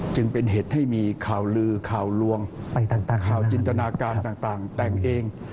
จึงเป็นเหตุให้มีข่าวลือข่าวลวงข่าวจินตนาการต่างแต่งเอง